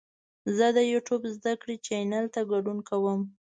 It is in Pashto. زه د یوټیوب زده کړې چینل ته ګډون کوم.